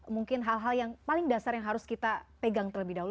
mungkin hal hal yang paling dasar yang harus kita pegang terlebih dahulu